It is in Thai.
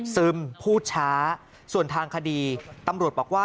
ซึมพูดช้าส่วนทางคดีตำรวจบอกว่า